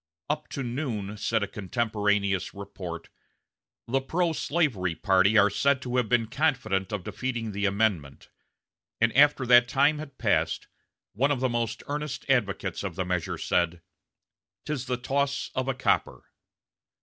"Up to noon," said a contemporaneous report, "the pro slavery party are said to have been confident of defeating the amendment; and after that time had passed, one of the most earnest advocates of the measure said: "'Tis the toss of a copper."